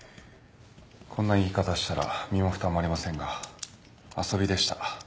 こんな言い方したら身もふたもありませんが遊びでした。